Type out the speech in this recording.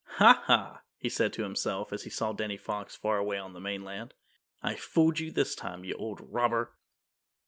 "Ha, ha," he said to himself as he saw Danny Fox far away on the mainland, "I fooled you this time, you old robber!"